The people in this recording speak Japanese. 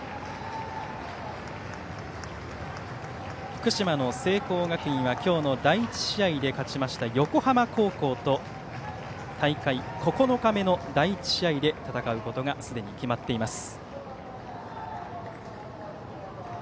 福島の聖光学院は今日の第１試合で勝ちました横浜高校と大会９日目の第１試合で戦うことがすでに決まっています。